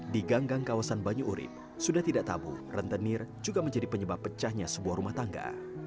di ganggang kawasan banyu urib sudah tidak tabu rentenir juga menjadi penyebab pecahnya sebuah rumah tangga